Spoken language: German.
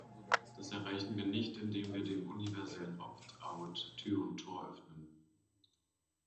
Das erreichen wir nicht, indem wir dem universellen Opt-out Tür und Tor öffnen.